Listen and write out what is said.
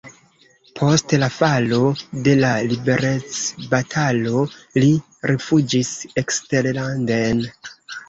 Post la falo de la liberecbatalo li rifuĝis eksterlanden.